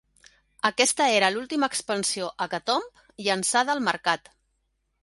Aquesta era l'última expansió "Hecatomb" llançada al mercat.